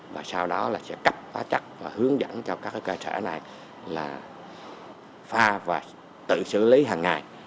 và sau đó là sẽ cấp hóa chất và hướng dẫn cho các cái ca sở này là pha và tự xử lý hàng ngày